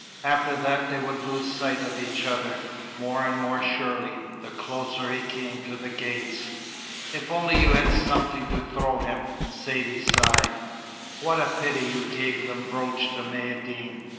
After that they would lose sight of each other, more and more surely, the closer he came to the gates. "If only you had something to throw him!" Saidee sighed. "What a pity you gave the brooch to Maïeddine.